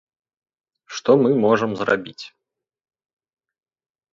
Што мы можам зрабіць?